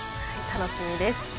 楽しみです。